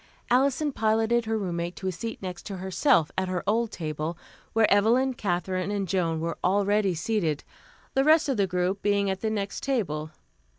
Alison piloted her roommate to a seat next to herself, at her old table, where Evelyn, Katherine and Joan were already seated, the rest of the group being at the next table.